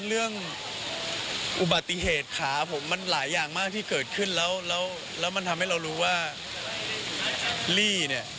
เด็กลิลลี่เนี่ย